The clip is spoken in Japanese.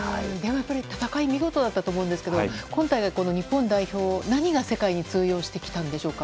戦い見事でしたが今日の日本代表何が世界に通用してきたんでしょうか。